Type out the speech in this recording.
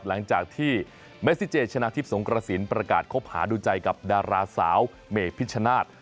หลังจากที่เมซิเจชนะทิพย์สงกระสินประกาศคบหาดูใจกับดาราสาวเมพิชชนาธิ์